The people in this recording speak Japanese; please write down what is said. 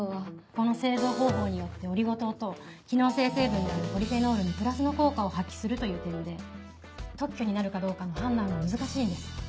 この製造方法によってオリゴ糖と機能性成分であるポリフェノールにプラスの効果を発揮するという点で特許になるかどうかの判断が難しいんです。